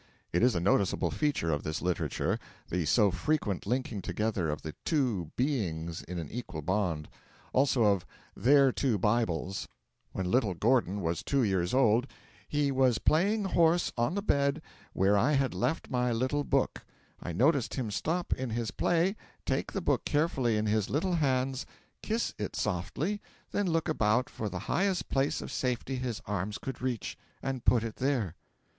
It is a noticeable feature of this literature the so frequent linking together of the Two Beings in an equal bond; also of Their Two Bibles. When little Gordon was two years old, 'he was playing horse on the bed, where I had left my "little book." I noticed him stop in his play, take the book carefully in his little hands, kiss it softly, then look about for the highest place of safety his arms could reach, and put it there.'